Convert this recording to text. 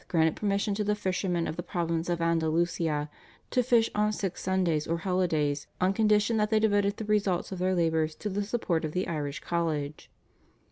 granted permission to the fishermen of the province of Andalusia to fish on six Sundays or holidays on condition that they devoted the results of their labours to the support of the Irish College.